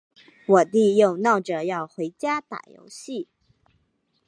我弟又闹着要回家打游戏。